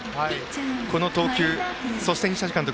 この投球、そして西谷監督